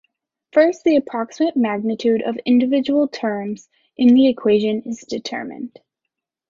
First the approximate magnitude of individual terms in the equations is determined.